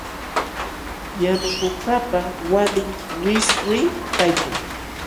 Yanukuqkaqpa walin wiswim kaykan.